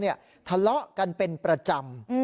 ทะเลาะกันเป็นประจำ